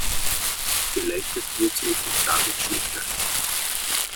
Geleitet wird sie von David Schnitter.